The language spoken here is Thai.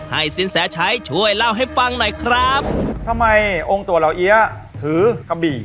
สินแสชัยช่วยเล่าให้ฟังหน่อยครับทำไมองค์ตัวเหล่าเอี๊ยะถือกะบี่